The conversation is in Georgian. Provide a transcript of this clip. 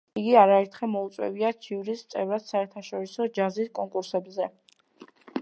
იგი არაერთხელ მიუწვევიათ ჟიურის წევრად საერთაშორისო ჯაზის კონკურსებზე.